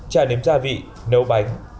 chả nếm gia vị nấu bánh